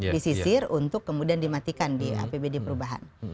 disisir untuk kemudian dimatikan di apbd perubahan